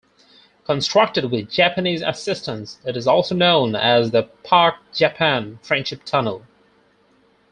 Constructed with Japanese assistance, it is also known as the Pak-Japan Friendship Tunnel.